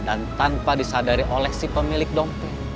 dan tanpa disadari oleh si pemilik dompet